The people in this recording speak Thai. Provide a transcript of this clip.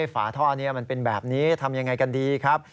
ฝาท่อนี้มันเป็นแบบนี้ทำยังไงกันดีครับ